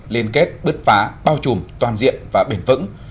liên kết bứt phá bao trùm toàn diện và bền vững